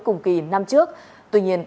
cùng kỳ năm trước tuy nhiên